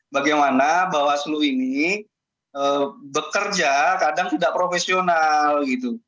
bagaimana bawaslu ini bekerja kadang sudah profesional gitu